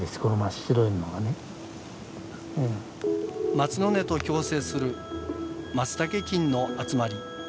松の根と共生するマツタケ菌の集まり